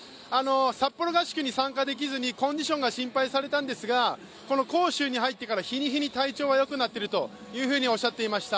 札幌合宿に参加できずにコンディションが心配されたんですが杭州に入ってから日に日に体調はよくなっているとおっしゃっていました。